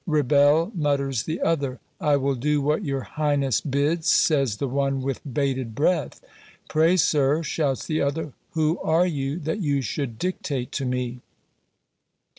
"Rebel," mutters the other. "I will do what your Highness bids," says the one with bated breath. "Pray, sir," shouts the other, "who are you, that you should dictate to me